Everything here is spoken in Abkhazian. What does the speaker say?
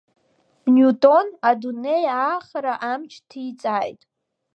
Ниутон адунеи аахара амч ҭиҵааит.